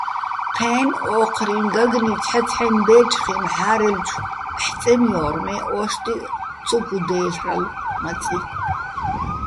ჴენო̆ ო́ჴრიჼ გაგნი ცჰ̦აცჰ̦აჲნო̆ ბე́ჯხიჼ მჵა́რელჩვ აჰ̦ო̆ წემჲო́რ, მე́ ო́შტიჸ ცო გუდა́ჲლ'რალო̆ მაწი.